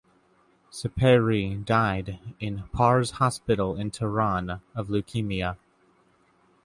Sepehri died in Pars hospital in Tehran of leukemia.